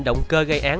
động cơ gây án